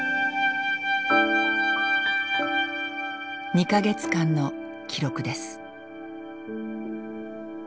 ２か月間の記録です。